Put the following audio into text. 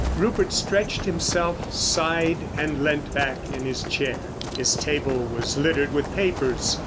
Rupert stretched himself, sighed, and leant back in his chair. His table was littered with papers.